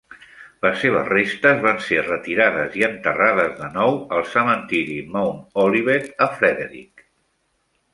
Les seves restes van ser retirades i enterrades de nou al cementiri Mount Olivet, a Frederic.